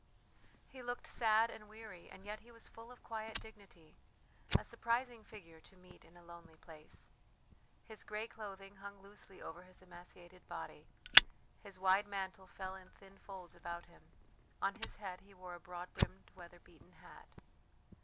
He looked sad and weary, and yet he was full of quiet dignity; a surprising figure to meet in a lonely place. His grey clothing hung loosely over his emaciated body, his wide mantle fell in thin folds about him; on his head he wore a broad brimmed, weather beaten hat.